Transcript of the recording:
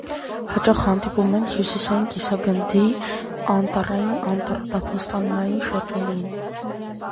Հաճախ հանդիպում են հյուսիսային կիսագնդի անտառային և անտառատափաստանային շրջաններում։